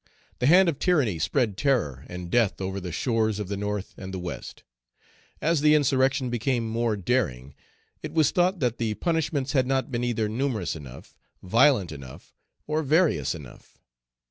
The hand of tyranny spread terror and death over the shores of the North and the West. As the Page 263 insurrection became more daring, it was thought that the punishments had not been either numerous enough, violent enough, or various enough.